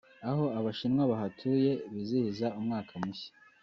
aho abashinwa bahatuye bizihiza umwaka mushya